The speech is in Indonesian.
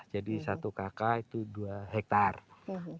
jadi satu kakah itu dua hektare